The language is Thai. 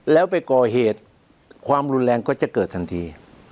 แล้วไปก่อเหตุความรุนแรงก็จะเกิดทันที